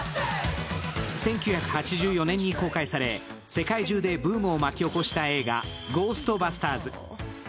１９８４年に公開され、世界中でブームを巻き起こした映画「ゴーストバスターズ」。